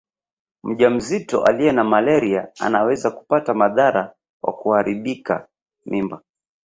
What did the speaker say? Mjamzito aliye na malaria anaweza kupata madhara kwa kuharibika mimba